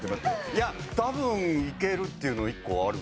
いや多分いけるっていうの１個ある。